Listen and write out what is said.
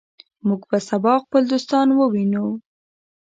موږ به سبا خپل دوستان ووینو.